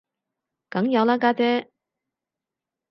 梗有啦家姐